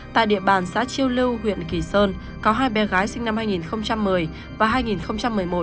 tại địa bàn xã chiêu lưu huyện kỳ sơn có hai bé gái sinh năm hai nghìn một mươi và hai nghìn một mươi một